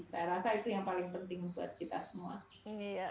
saya rasa itu yang paling penting buat kita semua